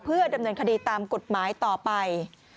เพื่อดำเนินคดีตามกฎหมายต่อไป